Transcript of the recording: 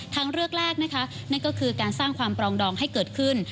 ทางเลือกแรกนะคะนั่นก็คือการสร้างความปรองดองให้เกิดขึ้น